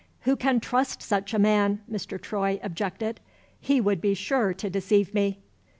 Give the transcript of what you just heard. "Who can trust such a man?" Mr. Troy objected. "He would be sure to deceive me."